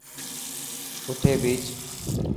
آٺي ڀيهچ.